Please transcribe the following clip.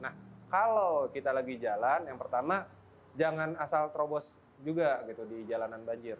nah kalau kita lagi jalan yang pertama jangan asal terobos juga gitu di jalanan banjir